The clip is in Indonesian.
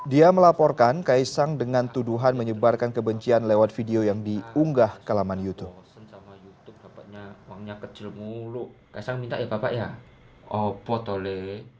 dia melaporkan kaisang dengan tuduhan menyebarkan kebencian lewat video yang diunggah kelaman youtube